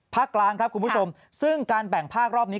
กลางครับคุณผู้ชมซึ่งการแบ่งภาครอบนี้